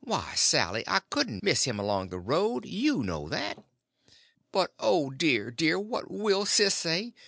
"Why, Sally, I couldn't miss him along the road—you know that." "But oh, dear, dear, what will Sis say!